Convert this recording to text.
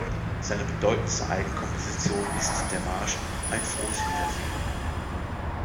Seine bedeutendste Eigenkomposition ist der Marsch „Ein frohes Wiedersehen“.